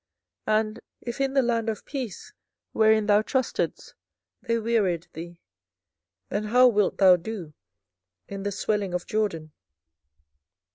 and if in the land of peace, wherein thou trustedst, they wearied thee, then how wilt thou do in the swelling of Jordan?